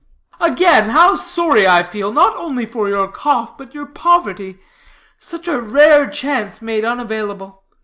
"Again, how sorry I feel, not only for your cough, but your poverty. Such a rare chance made unavailable.